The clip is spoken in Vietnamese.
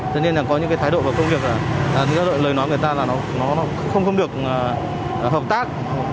cho nên là có những cái thái độ và công việc thì lời nói người ta là nó không được hợp tác